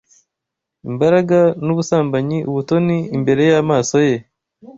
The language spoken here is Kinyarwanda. imbaraga nubusambanyi. ubutoni imbere y'amaso ye